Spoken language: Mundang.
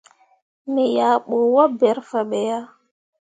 Me yah bu waaberre fah be yah.